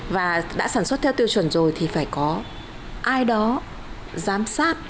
và đã sản xuất theo tiêu chuẩn rồi thì phải có ai đó giám sát